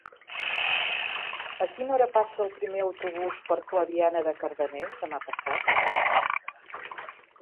A quina hora passa el primer autobús per Clariana de Cardener demà passat?